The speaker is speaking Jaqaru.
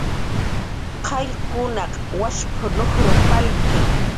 "qayllkunaq washp"" nujruw palki"